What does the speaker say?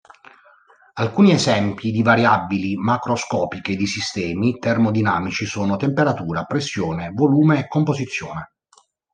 Alcuni esempi di variabili macroscopiche di sistemi termodinamici sono: temperatura, pressione, volume e composizione.